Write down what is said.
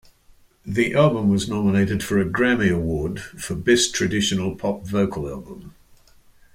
The album was nominated for a Grammy Award for Best Traditional Pop Vocal Album.